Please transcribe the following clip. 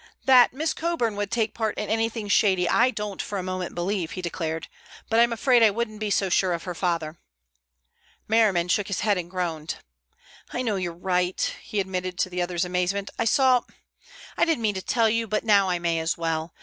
"That Miss Coburn would take part in anything shady I don't for a moment believe," he declared, "but I'm afraid I wouldn't be so sure of her father." Merriman shook his head and groaned. "I know you're right," he admitted to the other's amazement. "I saw—I didn't mean to tell you, but now I may as well.